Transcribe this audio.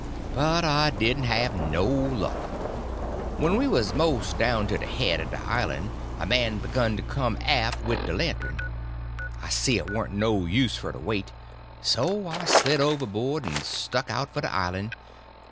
"But I didn' have no luck. When we 'uz mos' down to de head er de islan' a man begin to come aft wid de lantern, I see it warn't no use fer to wait, so I slid overboard en struck out fer de islan'.